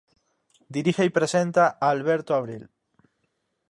Dirige y presenta Alberto Abril.